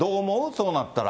そうなったら。